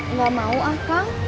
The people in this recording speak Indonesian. enggak mau ah kak